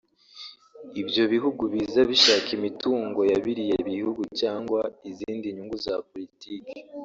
Ibyo bihugu biza bishaka imitungo ya biriya bihugu cyangwa izindi nyungu za politiki